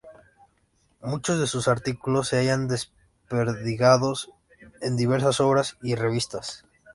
Muchos de sus artículos se hayan desperdigados en diversas obras y revistas.